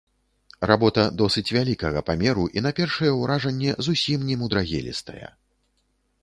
Работа досыць вялікага памеру і на першае ўражанне зусім немудрагелістая.